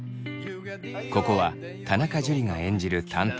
ここは田中樹が演じる探偵